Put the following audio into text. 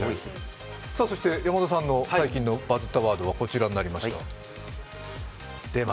山田さんの最近のバズったワードはこちらになりました。